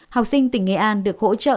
học sinh tỉnh nghệ an được hỗ trợ